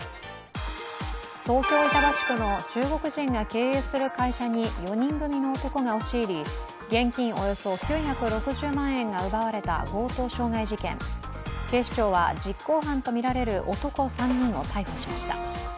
東京・板橋区の中国人が経営する会社に４人組の男が押し入り、現金およそ９６０万円が奪われた強盗傷害事件、警視庁は実行犯とみられる男３人を逮捕しました。